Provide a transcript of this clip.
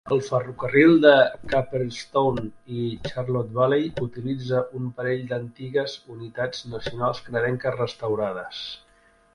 El ferrocarril de Cooperstown i Charlotte Valley utilitza un parell d'antigues unitats nacionals canadenques restaurades.